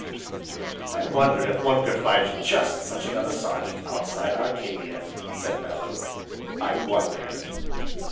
'" "I wonder if one could find just such another Sergeant outside Arcadia," said Bellew, "I wonder!"